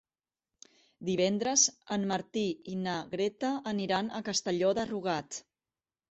Divendres en Martí i na Greta aniran a Castelló de Rugat.